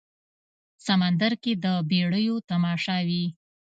سمندر کې د بیړیو تماشا وي